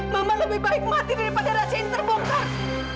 mama lebih baik mati daripada rahasia yang terbongkar